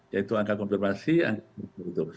yaitu angka konfirmasi yang itu